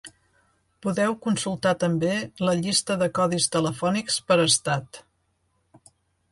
Podeu consultar també la llista de codis telefònics per Estat.